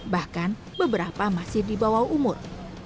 bahkan beberapa masih di bawah umur